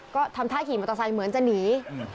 ก็ทำท่าขี่มอเตอร์ไซค์เหมือนจะหนี